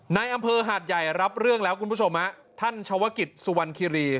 ในอำเภอหาดใหญ่รับเรื่องแล้วคุณผู้ชมฮะท่านชาวกิจสุวรรณคิรี